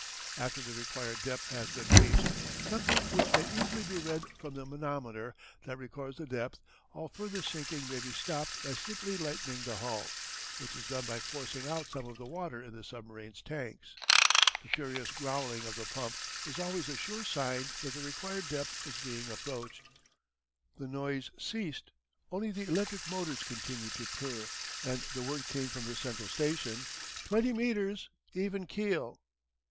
After the required depth has been reached something which may easily be read from the manometer that records the depth all further sinking may be stopped by simply lightening the hull, which is done by forcing out some of the water in the submarine's tanks. The furious growling of the pump is always a sure sign that the required depth is being approached. The noise ceased, only the electric motors continued to purr, and the word came from the central station: "Twenty meters even keel!"